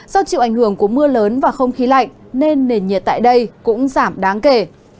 do chịu ảnh hưởng của mưa lớn và không khí lạnh nên nền nhiệt tại đây cũng giảm đáng kể